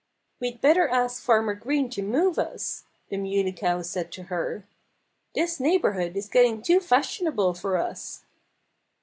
"We'd better ask Farmer Green to move us," the Muley Cow said to her. "This neighborhood is getting too fashionable for us."